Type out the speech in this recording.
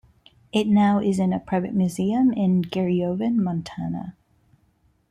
It now is in a private museum in Garryowen, Montana.